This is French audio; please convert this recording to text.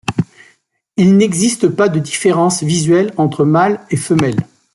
Il n'existe pas de différence visuelle entre mâle et femelle.